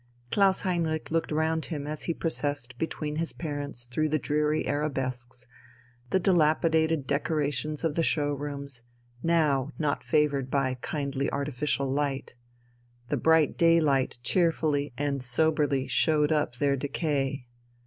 Klaus Heinrich looked round him as he processed between his parents through the dreary arabesques, the dilapidated decorations of the show rooms, now not favoured by kindly artificial light. The bright daylight cheerfully and soberly showed up their decay.